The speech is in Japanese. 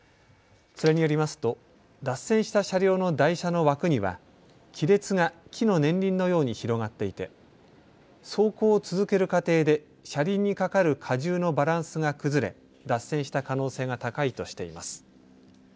それによりますと脱線した車両の台車の枠には亀裂が木の年輪のように広がっていて走行を続ける過程で車輪にかかる荷重のバランスが崩れ、脱線した可能性が高いとしています。